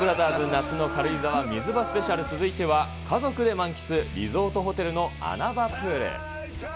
夏の軽井沢水場スペシャル、続いては、家族で満喫、リゾートホテルの穴場プール。